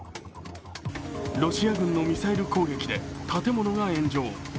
ロシア軍のミサイル攻撃で建物が炎上。